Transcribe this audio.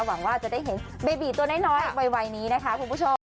หวังว่าจะได้เห็นเบบีตัวน้อยวัยนี้นะคะคุณผู้ชม